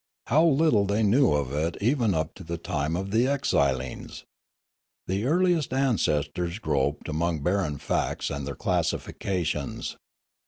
How little they knew of it even up to the time of the exilings ! The earliest ancestors groped amongst barren facts and their classifications.